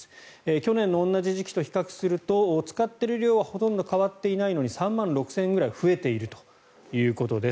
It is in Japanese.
去年の同じ時期と比較すると使っている量はほとんど変わっていないのに３万６０００円くらい増えているということです。